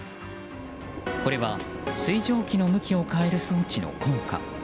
これは水蒸気の向きを変える装置の効果。